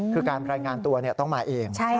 คือการรายงานตัวต้องมาเอง